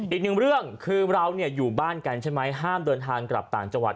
อีกหนึ่งเรื่องคือเราอยู่บ้านกันใช่ไหมห้ามเดินทางกลับต่างจังหวัด